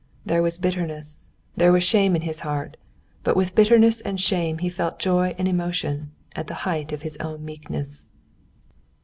There was bitterness, there was shame in his heart, but with bitterness and shame he felt joy and emotion at the height of his own meekness.